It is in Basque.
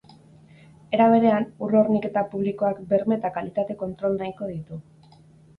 Era berean, ur-horniketa publikoak berme eta kalitate kontrol nahiko ditu.